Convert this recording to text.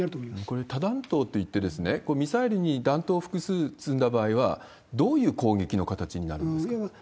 これ、多弾頭といって、これ、ミサイルに弾頭を複数積んだ場合は、どういう攻撃の形になるんですか？